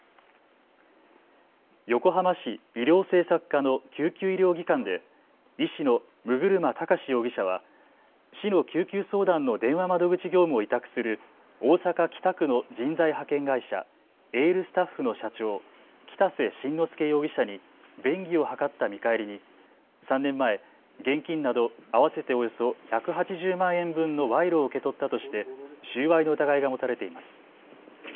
横浜市医療政策課の救急医療技官で医師の六車崇容疑者は市の救急相談の電話窓口業務を委託する大阪北区の人材派遣会社、エールスタッフの社長、北瀬真之亮容疑者に便宜を図った見返りに３年前、現金など合わせておよそ１８０万円分の賄賂を受け取ったとして収賄の疑いが持たれています。